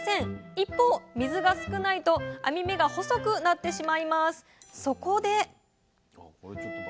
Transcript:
一方水が少ないと網目が細くなってしまいます。